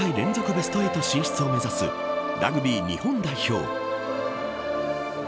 ベスト８進出を目指すラグビー日本代表。